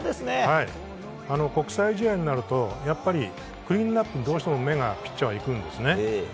国際試合になるとクリーンアップにどうしても目がピッチャー行くんですね。